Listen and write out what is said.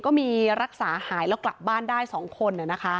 ก็มีรักษาหายแล้วกลับบ้านได้๒คน